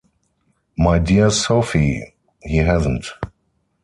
My dear Sophie, he hasn't.